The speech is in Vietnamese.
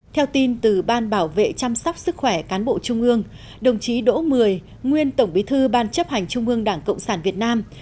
theo tin từ ban bảo vệ chăm sóc sức khỏe cán bộ trung ương đồng chí đỗ mười nguyên tổng bí thư ban chấp hành trung ương đảng cộng sản việt nam